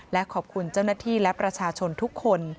และขอบคุณเจ้าหน้าที่และประชาชนทุกคน